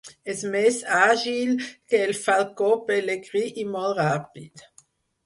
És més àgil que el falcó pelegrí i molt ràpid.